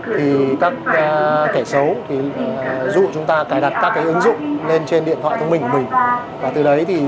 thì các kẻ xấu dụ chúng ta cài đặt các cái ứng dụng lên trên điện thoại thông minh của mình